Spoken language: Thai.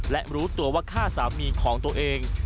และรู้ตัวว่าฆ่าสามีของตัวเอง